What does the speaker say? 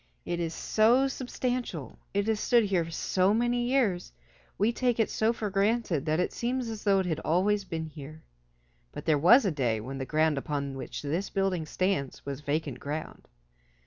It is so substantial, it has stood here so many years, we take it so for granted that it seems as though it had always been here. But there was a day when the ground upon which this building stands was vacant ground.